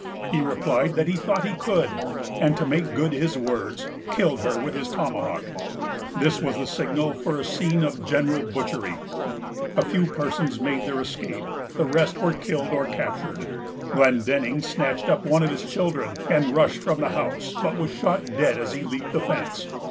He replied that he thought he could, and, to make good his words, killed her with his tomahawk. This was the signal for a scene of general butchery. A few persons made their escape; the rest were killed or captured. Glendenning snatched up one of his children, and rushed from the house, but was shot dead as he leaped the fence.